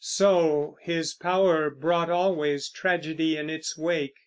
So his power brought always tragedy in its wake.